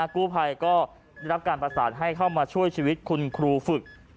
กู้ภัยก็ได้รับการประสานให้เข้ามาช่วยชีวิตคุณครูฝึก